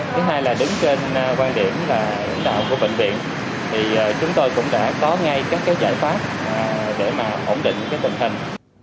thứ hai là đứng trên quan điểm là lãnh đạo của bệnh viện thì chúng tôi cũng đã có ngay các cái giải pháp để mà ổn định cái tình hình